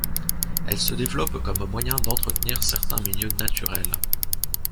Elle se développe comme moyen d'entretenir certains milieux naturels.